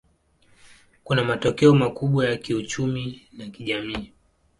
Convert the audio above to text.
Kuna matokeo makubwa ya kiuchumi na kijamii.